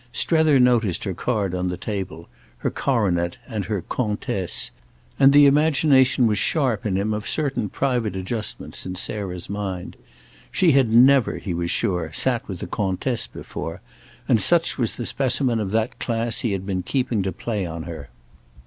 Strether noticed her card on the table—her coronet and her "Comtesse"—and the imagination was sharp in him of certain private adjustments in Sarah's mind. She had never, he was sure, sat with a "Comtesse" before, and such was the specimen of that class he had been keeping to play on her.